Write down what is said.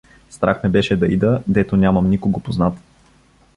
— Страх ме беше да ида, дето нямам никого познат.